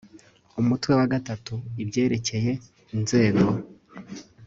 UMUTWE WA III IBYEREKEYE INZEGO